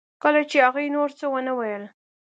کله چې هغې نور څه ونه ویل